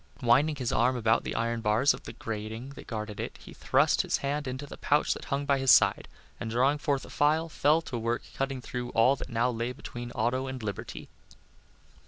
Winding his arm around the iron bars of the grating that guarded it, he thrust his hand into the pouch that hung by his side, and drawing forth a file, fell to work cutting through all that now lay between Otto and liberty.